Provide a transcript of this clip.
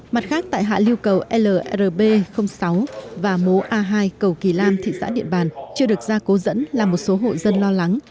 mặt khác tại hạ lưu cầu lrb sáu và mố a hai cầu kỳ lam thị xã điện bàn chưa được ra cố dẫn là một số hộ dân lo lắng